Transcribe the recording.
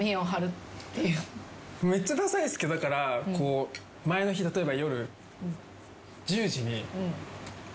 めっちゃダサいだから前の日例えば。